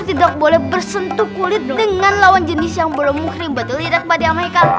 tidak boleh bersentuh kulit dengan lawan jenis yang berumuh krim batu lidah kepada ama haikal